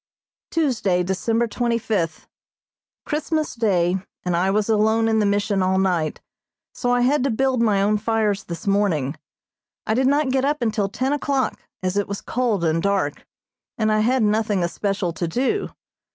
Tuesday, December twenty fifth: Christmas Day, and I was alone in the Mission all night, so I had to build my own fires this morning. I did not get up until ten o'clock, as it was cold and dark, and I had nothing especial to do.